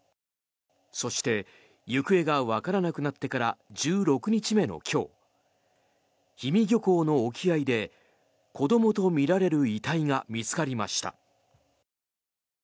そして行方がわからなくなってから１６日目の今日氷見漁港の沖合で子どもとみられる遺体が見つかりました。